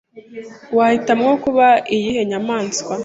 wahitamo kuba iyihe nyamaswa